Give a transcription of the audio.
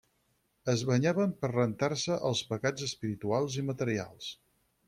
Es banyaven per rentar-se els pecats espirituals i materials.